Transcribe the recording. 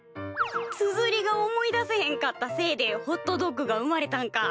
つづりが思い出せへんかったせいでホットドッグが生まれたんか。